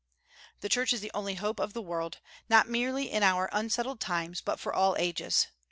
The Church is the only hope of the world, not merely in our unsettled times, but for all ages.